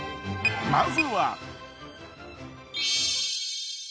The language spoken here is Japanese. まずは。